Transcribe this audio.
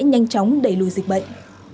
tin chắc đà lạt sẽ nhanh chóng đẩy lùi dịch bệnh